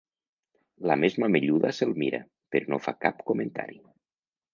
La més mamelluda se'l mira, però no fa cap comentari.